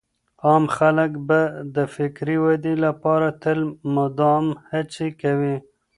عام خلګ به د فکري ودې لپاره تل مدام هڅې کوي.